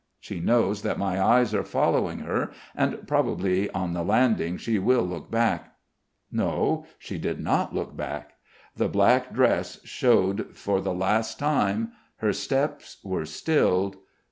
She knows that my eyes are following her, and probably on the landing she will look back. No, she did not look back. The black dress showed for the last time, her steps were stilled....